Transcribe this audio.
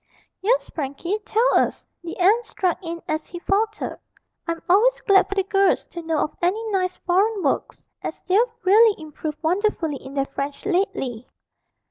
'Yes, Frankie, tell us,' the aunt struck in as he faltered; 'I'm always glad for the girls to know of any nice foreign works, as they've really improved wonderfully in their French lately.'